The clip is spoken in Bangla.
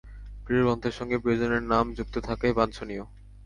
প্রিয় গ্রন্থের সঙ্গে প্রিয়জনের নাম যুক্ত থাকাই বাঞ্ছনীয়।